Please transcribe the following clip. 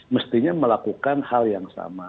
mestinya melakukan hal yang sama